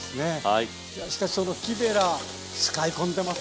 いやしかしその木べら使い込んでますね。